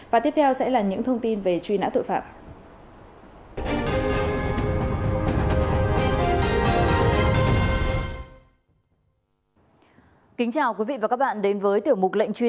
và tiếp theo sẽ là những thông tin về truy nã tội phạm